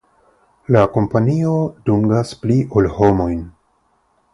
La kompanio dungas pli ol homojn.